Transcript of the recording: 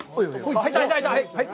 はい。